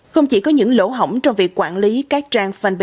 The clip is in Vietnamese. không chỉ có những lỗ hỏng trong việc quản lý các trang fanpag